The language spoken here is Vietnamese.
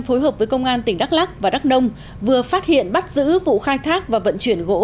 phối hợp với công an tỉnh đắk lắc và đắk nông vừa phát hiện bắt giữ vụ khai thác và vận chuyển gỗ